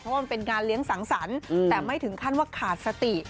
เพราะว่ามันเป็นงานเลี้ยงสังสรรค์แต่ไม่ถึงขั้นว่าขาดสติ